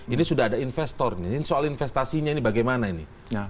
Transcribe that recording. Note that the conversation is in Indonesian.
ini sudah ada investor ini soal investasinya ini bagaimana ini